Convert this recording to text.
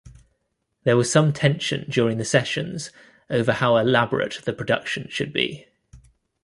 There was some tension during the sessions over how elaborate the production should be.